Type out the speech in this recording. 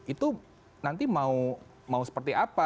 itu nanti mau seperti apa